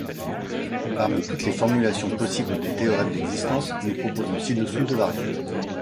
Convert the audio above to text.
Parmi toutes les formulations possibles des théorèmes d'existence, nous proposons ci-dessous deux variantes.